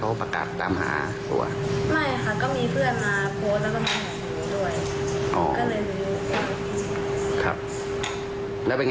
ก็คือว่าความรู้สึกที่ได้มองเป็นไงบ้าง